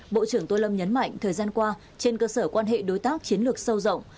bộ trưởng tô lâm nhấn mạnh thời gian qua trên cơ sở quan hệ đối tác chiến lược sâu rộng